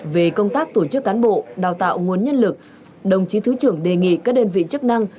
về công tác tổ chức cán bộ đào tạo nguồn nhân lực đồng chí thứ trưởng đề nghị các đơn vị chức năng